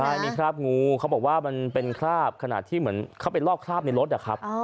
ใช่มีคราบงูเขาบอกว่ามันเป็นคราบขนาดที่เหมือนเขาไปลอกคราบในรถนะครับ